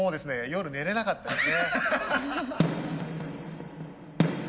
夜寝れなかったですね。